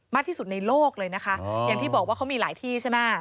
มากที่สุดในโลกเลยนะคะอย่างที่บอกว่าเขามีหลายที่ใช่ไหม